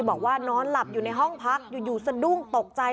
บอกว่านอนหลับอยู่ในห้องพักอยู่สะดุ้งตกใจ